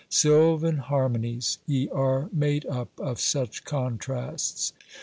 Sylvan harmonies, ye are made up of such contrasts !